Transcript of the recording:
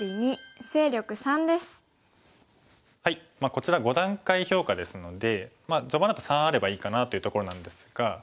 こちら５段階評価ですので序盤だと３あればいいかなっていうところなんですが。